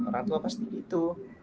orang tua pasti begitu